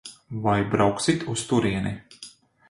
Vai brauksit uz turieni?